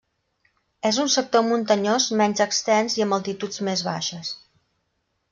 És un sector muntanyós menys extens i amb altituds més baixes.